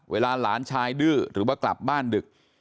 หลานชายดื้อหรือว่ากลับบ้านดึก